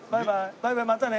バイバイまたね。